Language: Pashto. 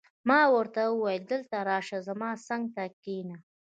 ما ورته وویل: دلته راشه، زما څنګ ته کښېنه.